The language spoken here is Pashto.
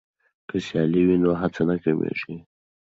که سیالي وي نو هڅه نه کمېږي.